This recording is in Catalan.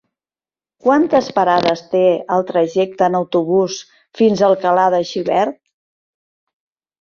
Quantes parades té el trajecte en autobús fins a Alcalà de Xivert?